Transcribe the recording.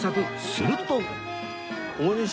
すると